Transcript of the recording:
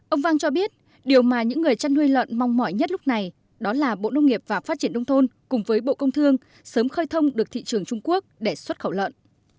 ông vang cho biết điều mà những người chăn nuôi lợn mong mỏi nhất lúc này đó là bộ nông nghiệp và phát triển đông thôn cùng với bộ công thương sớm khơi thông được thị trường trung quốc để xuất khẩu lợn